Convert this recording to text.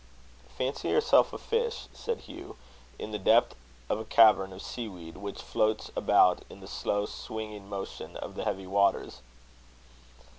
"Fancy yourself a fish," said Hugh, "in the depth of a cavern of sea weed, which floats about in the slow swinging motion of the heavy waters."